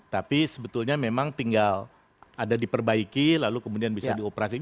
tapi sebetulnya memang tinggal ada diperbaiki lalu kemudian bisa dioperasikan